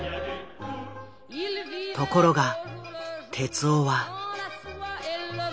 ところが徹男は。